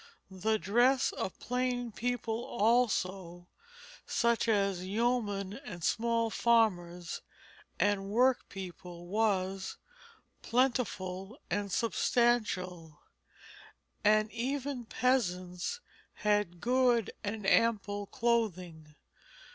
The dress of plain people also, such as yeomen and small farmers and work people, was plentiful and substantial, and even peasants had good and ample clothing.